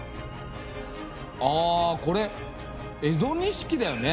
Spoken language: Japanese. ああこれ蝦夷錦だよね。